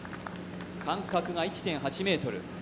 間隔が１．８ｍ。